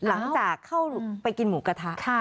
หลังจากเข้าไปกินหมูกระทะ